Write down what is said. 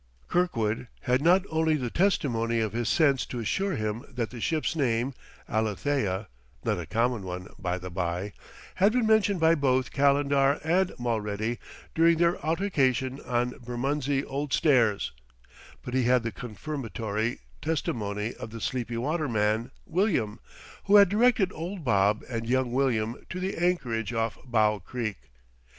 Kirkwood had not only the testimony of his sense to assure him that the ship's name, Alethea (not a common one, by the bye), had been mentioned by both Calendar and Mulready during their altercation on Bermondsey Old Stairs, but he had the confirmatory testimony of the sleepy waterman, William, who had directed Old Bob and Young William to the anchorage off Bow Creek.